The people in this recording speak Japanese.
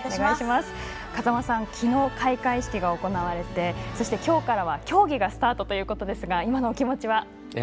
風間さん、昨日開会式が行われてそして、今日からは競技がスタートということですが今のお気持ちは？